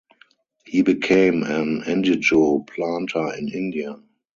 He became an Indigo planter in India.